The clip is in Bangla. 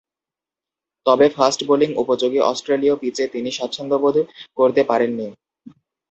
তবে, ফাস্ট বোলিং উপযোগী অস্ট্রেলীয় পিচে তিনি স্বাচ্ছন্দ্যবোধ করতে পারেননি।